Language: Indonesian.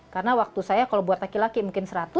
karena waktu saya kalau buat laki laki mungkin seratus